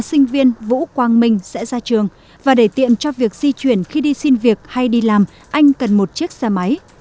sinh viên vũ quang minh sẽ ra trường và để tiện cho việc di chuyển khi đi xin việc hay đi làm anh cần một chiếc xe máy